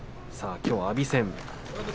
きょうは阿炎戦。